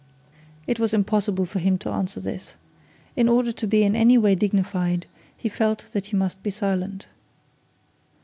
It was impossible for him to answer this. In order to be in any way dignified, he felt that he must be silent.